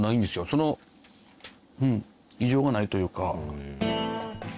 その異常がないというか。